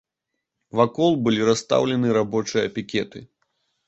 Вакол былі расстаўлены рабочыя пікеты.